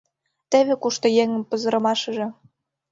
Теве кушто еҥым пызырымашыже!